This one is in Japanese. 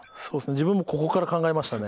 自分もここから考えましたね。